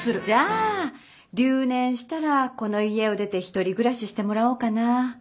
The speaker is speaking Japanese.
じゃあ留年したらこの家を出て１人暮らししてもらおうかなぁ。